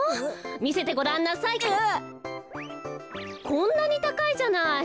こんなにたかいじゃない。